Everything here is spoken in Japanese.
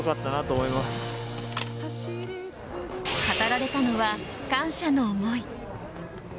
語られたのは、感謝の思い。